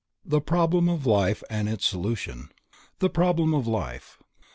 THE PROBLEM OF LIFE AND ITS SOLUTION THE PROBLEM OF LIFE.